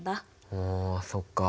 おそっか。